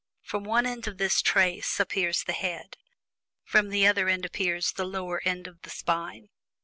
From one end of this "trace" develops the head; from the other end develops the lower end of the spine.